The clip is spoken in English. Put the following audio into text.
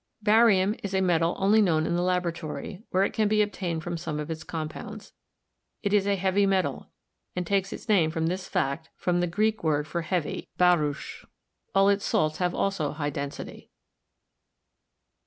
Barium is a metal only known in the laboratory, where is can be obtained from some of its compounds. It is a heavy metal, and takes its name from this fact from the Greek word for heavy (fiapvS). All its salts have also high density.